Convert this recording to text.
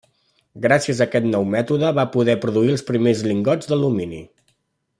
Gràcies a aquest nou mètode va poder produir els primers lingots d'alumini.